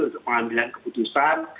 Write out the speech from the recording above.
untuk pengambilan keputusan